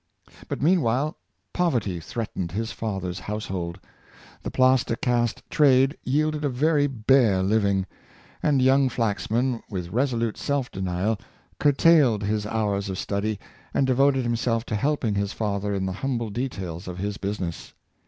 But meanwhile poverty threatened Employed by Wedgwood, 343 his father's household ; the plaster cast trade yielded a very bare living; and young Flaxman, with resolute self denial, curtailed his hours of study, and devoted himself to helping his father in the humble details of his business.